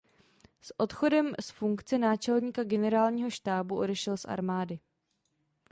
S odchodem z funkce náčelníka Generálního štábu odešel z armády.